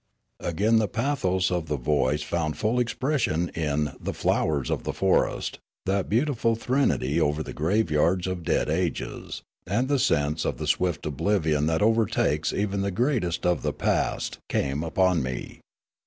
Again the pathos of the voice found full expression in " The Flowers of the Forest," that beautiful threnody over the graveyards of dead ages; and the sense of the .swift oblivion that overtakes even the greatest of the past came upon me.